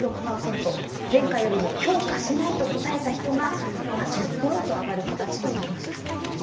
前回よりも評価しないと答えた人が１０ポイント上がる形となりました。